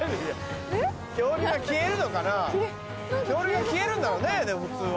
恐竜が消えるんだろうね普通は。